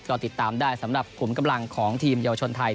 ก็ติดตามได้สำหรับขุมกำลังของทีมเยาวชนไทย